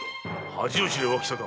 恥を知れ脇坂！